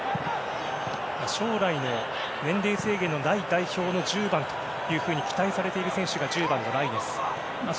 将来の年齢制限のない代表の１０番と期待されている選手が１０番のライネス。